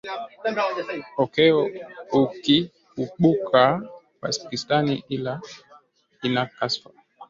okeo ukikubuka pakistani ina kashfa